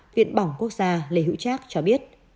viện bỏng quốc gia lê hữu trác cho biết